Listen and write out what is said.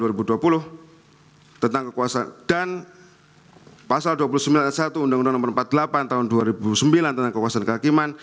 dan pasal dua puluh sembilan c satu undang undang nomor empat puluh delapan tahun dua ribu sembilan tentang kekuasaan kehakiman